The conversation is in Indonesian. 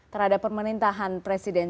terhadap pemerintahan presiden